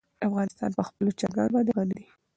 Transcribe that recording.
افغانستان په خپلو چرګانو باندې غني دی.